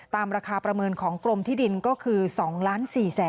ตามราคาประเมินของกรมที่ดินก็คือ๒๔๐๐๐